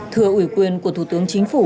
thưa ủy quyền của thủ tướng chính phủ